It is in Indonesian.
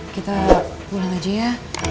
kita pulang aja ya